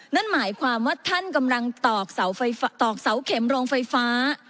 นั่นหมายความว่าท่านกำลังตอกเสาเข็มโรงไฟฟ้า